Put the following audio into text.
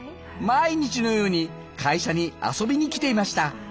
毎日のように会社に遊びに来ていました。